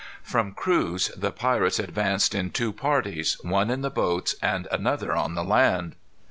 From Cruz the pirates advanced in two parties, one in the boats, and another on the land.